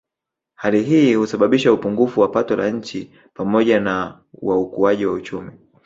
Hali hii husababisha upungufu wa pato la nchi pamoja na wa ukuaji wa uchumi